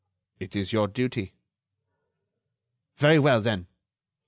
"It is your duty." "Very well, then."